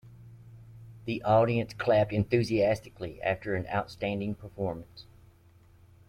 The audience clapped enthusiastically after an outstanding performance.